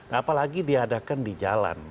apalagi diadakan di jalan